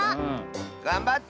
がんばって！